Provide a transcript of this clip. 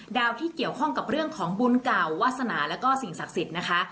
ที่เกี่ยวข้องกับเรื่องของบุญเก่าวาสนาแล้วก็สิ่งศักดิ์สิทธิ์นะคะ